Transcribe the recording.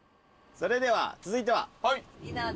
それでは続いては？